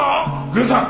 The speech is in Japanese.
郡さん！